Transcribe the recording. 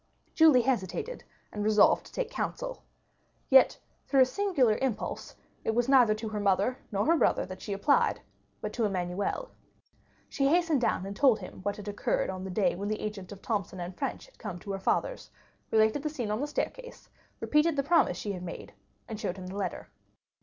Julie hesitated, and resolved to take counsel. Yet, through a singular impulse, it was neither to her mother nor her brother that she applied, but to Emmanuel. She hastened down and told him what had occurred on the day when the agent of Thomson & French had come to her father's, related the scene on the staircase, repeated the promise she had made, and showed him the letter.